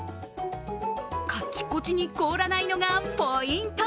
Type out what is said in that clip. カチコチに凍らないのがポイント。